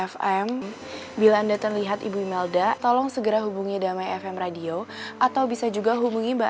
fm bila anda terlihat ibu imelda tolong segera hubungi damai fm radio atau bisa juga hubungi mbak